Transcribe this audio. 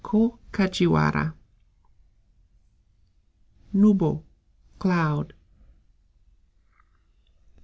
KAJIWARA. Nubo cloud.